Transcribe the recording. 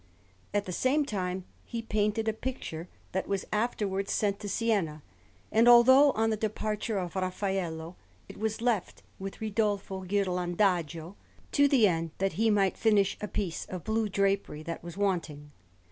At the same time he painted a picture that was afterwards sent to Siena, although, on the departure of Raffaello, it was left with Ridolfo Ghirlandajo, to the end that he might finish a piece of blue drapery that was wanting.